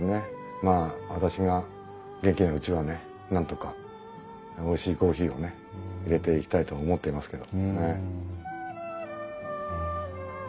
まあ私が元気なうちはねなんとかおいしいコーヒーをねいれていきたいと思ってますけど。